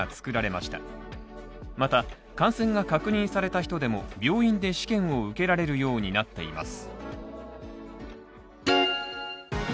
また、感染が確認された人でも、病院で試験を受けられるようになっています。